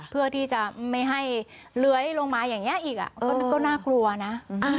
เพื่อที่จะไม่ให้เลื้อยลงมาอย่างนี้อีกก็น่ากลัวนะ